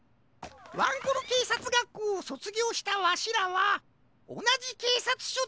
ワンコロけいさつがっこうをそつぎょうしたわしらはおなじけいさつしょでけいじになったんじゃ。